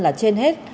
là trên hết